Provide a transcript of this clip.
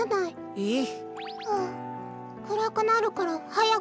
えっ！？